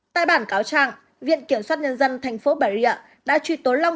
tại bản cáo trang viện kiểm soát nhân dân tp bà rượu đã truy tố long